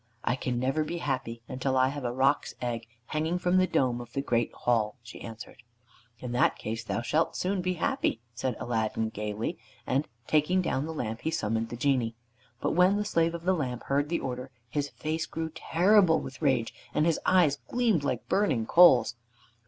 "I can never be happy until I have a roc's egg hanging from the dome of the great hall," she answered. "In that case thou shalt soon be happy," said Aladdin gaily, and taking down the lamp, he summoned the Genie. But when the Slave of the Lamp heard the order his face grew terrible with rage, and his eyes gleamed like burning coals.